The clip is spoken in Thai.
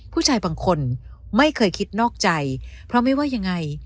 ผู้ชายบางคนไม่เคยคิดนอกใจเพราะไม่ว่ายังไง